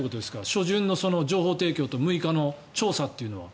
初旬の情報提供と６日の調査っていうのは。